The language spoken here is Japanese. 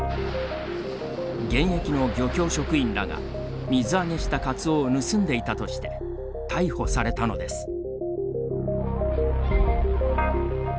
現役の漁協職員らが、水揚げしたカツオを盗んでいたとして逮捕されたのです。